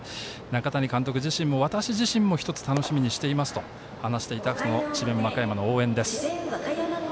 中谷監督自身も、私自身も１つ楽しみにしていますと話していた智弁和歌山の応援です。